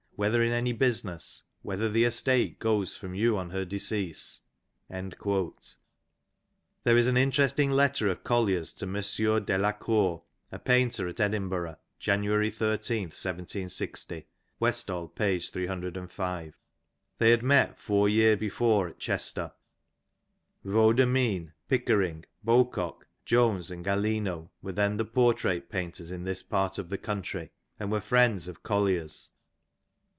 whether in any business ! whether the estate goes "from you on her decease?'" There is an interesting letter of Collier's to Monsieur Delacour, a painter at Edinburgh, January 13th 1760 (W. p. 305). They had met four year before at Chester. Vaudermijn, Pickering, Bow cock, Jones and Gallino were then the portrait painters in this part of the country, and were friends of Collier's.